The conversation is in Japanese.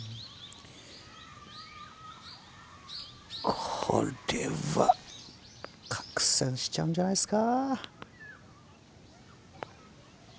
これは拡散しちゃうんじゃないっすか。